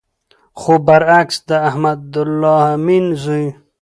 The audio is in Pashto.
خو بر عکس د احمد الله امین زوی